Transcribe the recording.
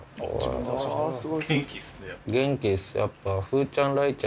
元気ですやっぱ。